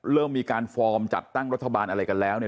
เริ่มมีการฟอร์มจัดตั้งรัฐบาลอะไรกันแล้ว